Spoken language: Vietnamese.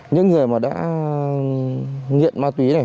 những người mà đã nghiện ma túy này